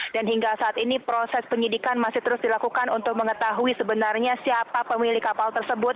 dan hingga saat ini proses penyidikan masih terus dilakukan untuk mengetahui sebenarnya siapa pemilih kapal tersebut